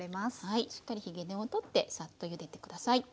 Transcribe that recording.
しっかりひげ根を取ってサッとゆでて下さい。